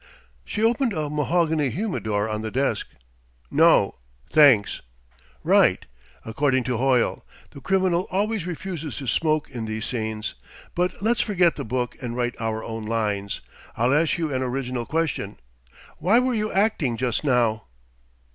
She opened a mahogany humidor on the desk. "No, thanks." "Right according to Hoyle: the criminal always refuses to smoke in these scenes. But let's forget the book and write our own lines. I'll ask you an original question: Why were you acting just now?"